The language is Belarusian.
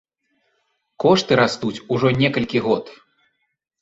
Кошты растуць ужо некалькі год.